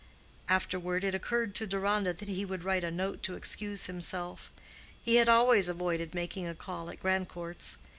Afterward it occurred to Deronda that he would write a note to excuse himself. He had always avoided making a call at Grandcourt's.